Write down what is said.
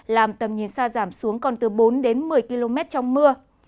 làm tầm nhìn xa giảm xuống còn từ bốn đến một mươi km trong mưa